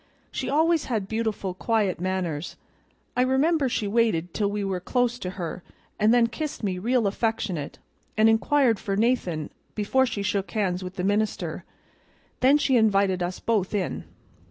She always had beautiful, quiet manners. I remember she waited till we were close to her, and then kissed me real affectionate, and inquired for Nathan before she shook hands with the minister, and then she invited us both in.